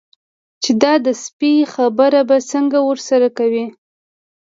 چې دا د سپي خبره به څنګه ورسره کوي.